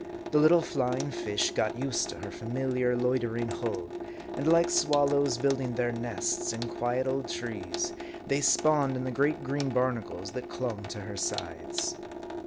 The little flying fish got used to her familiar, loitering hull ; and like swallows building their nests in quiet old trees, they spawned in the great green barnacles that clung to her sides.